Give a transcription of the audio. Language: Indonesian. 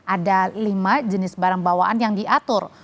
ada lima jenis barang bawaan yang diatur